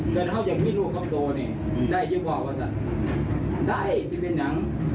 เกิดว่าฮับจะมิดรูปครับตัวเนี่ยได้เจ้าบอกว่าซะได้ที่เป็นหนัง